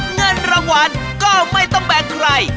เงินรางวัลก็ไม่ต้องแบ่งใคร